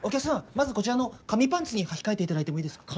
まずこちらの紙パンツにはき替えていただいてもいいですか？